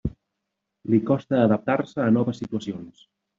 Li costa adaptar-se a noves situacions.